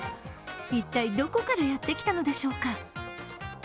一体、どこからやってきたのでしょうか。